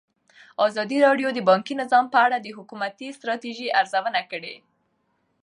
ازادي راډیو د بانکي نظام په اړه د حکومتي ستراتیژۍ ارزونه کړې.